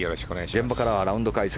現場からはラウンド解説